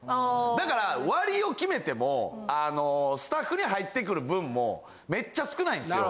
だから割を決めてもあのスタッフに入ってくる分もめっちゃ少ないんですよ。